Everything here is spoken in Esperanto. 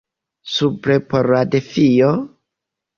Supre por la defio?